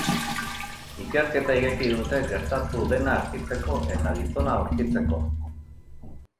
Ikerketa ireki dute gertatu dena argitzeko eta gizona aurkitzeko.